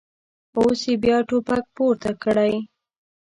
اوس یې بیا ټوپک پورته کړی.